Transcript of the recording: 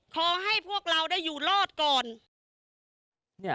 ขอให้พวกเราได้อยู่รอดก่อน